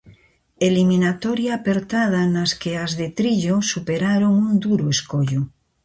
Eliminatoria apertada nas que as de Trillo superaron un duro escollo.